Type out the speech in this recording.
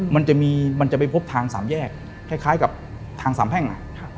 มันจะมีมันจะไปพบทางสามแยกคล้ายกับทางสามแพ่ง